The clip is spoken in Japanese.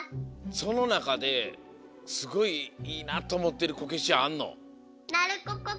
そのなかですごいいいなとおもってるこけしあんの？